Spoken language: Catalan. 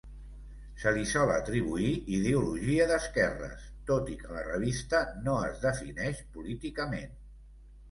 Se li sol atribuir ideologia d'esquerres, tot i que la revista no es defineix políticament.